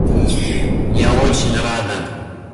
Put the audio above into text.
Я очень рада!